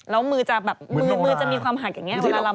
แล้วมือจะแบบมือจะมีความหักอย่างนี้เวลารำโนราเหมือนโนรา